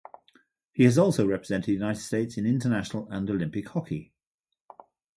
He has also represented the United States in international and Olympic hockey.